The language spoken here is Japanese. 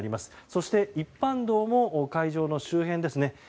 そして一般道も会場の周辺ですね。